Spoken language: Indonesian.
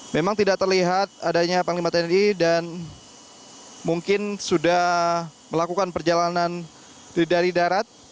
memang tidak terlihat adanya panglima tni dan mungkin sudah melakukan perjalanan dari darat